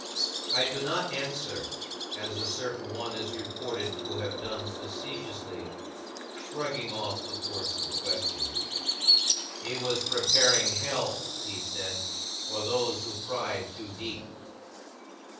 I do not answer, as a certain one is reported to have done facetiously (shrugging off the force of the question). "He was preparing hell," he said, "for those who pry too deep."